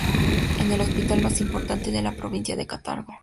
Es el hospital más importante de la provincia de Cartago.